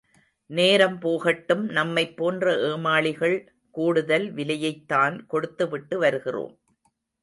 நேரம் போகட்டும் நம்மைப் போன்ற ஏமாளிகள் கூடுதல் விலையைத் தான் கொடுத்துவிட்டு வருகிறோம்.